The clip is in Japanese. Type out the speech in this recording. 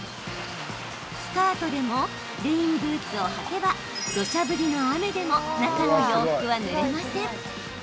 スカートでもレインブーツを履けばどしゃ降りの雨でも中の洋服は、ぬれません。